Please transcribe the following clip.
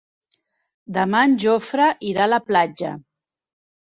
Demà en Jofre irà a la platja.